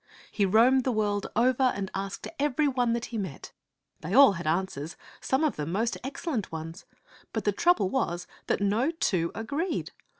He roamed the world over and asked every one that he met. They all had answers, some of them most excellent ones, but the trouble was that no two agreed.